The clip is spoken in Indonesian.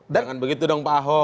jangan begitu dong pak ahok